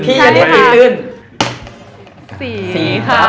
ใช่นี่ค่ะ